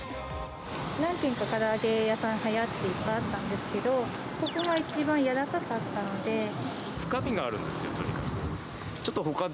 何軒か、から揚げ屋さん、はやっていっぱいあったんですけど、ここが一番やわらかかったの深みがあるんですよ、とにかく。